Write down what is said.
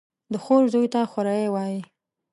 د خور زوى ته خوريه وايي.